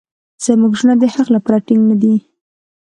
زموږ زړونه د حق لپاره ټینګ نه دي.